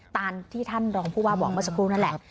ตามที่ท่านรองผู้ว่าบอกเมื่อสักครู่นั่นแหละ